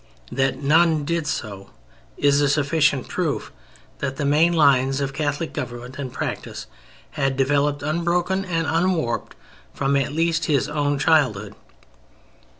That none did so is a sufficient proof that the main lines of Catholic government and practice had developed unbroken and unwarped from at least his own childhood.